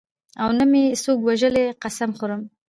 او نه مې څوک وژلي قسم خورم.